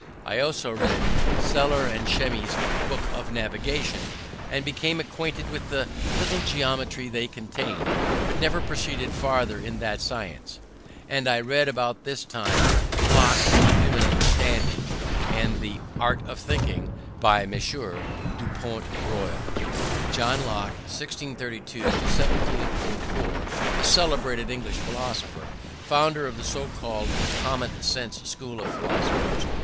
I also read Seller's and Shermy's books of Navigation, and became acquainted with the little geometry they contain; but never proceeded far in that science. And I read about this time Locke On Human Understanding, and the Art of Thinking, by Messrs. du Port Royal. John Locke (1632 1704), a celebrated English philosopher, founder of the so called "common sense" school of philosophers.